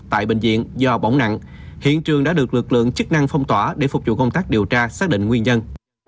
tại bệnh viện do bỏng nặng hiện trường đã được lực lượng chức năng phong tỏa để phục vụ công tác điều tra xác định nguyên nhân